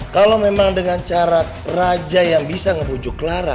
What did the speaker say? kalau memang dengan cara raja yang bisa ngebujuk clara